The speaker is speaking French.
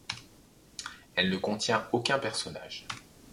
Elle ne contient aucun personnage.